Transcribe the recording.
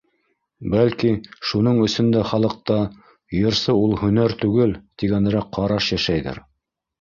Бәлки, шуның өсөн дә халыҡта, йырсы ул һөнәр түгел, тигәнерәк ҡараш йәшәйҙер.